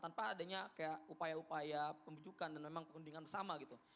tanpa adanya kayak upaya upaya pembujukan dan memang perundingan bersama gitu